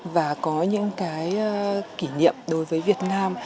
và có những cái kỷ niệm đối với việt nam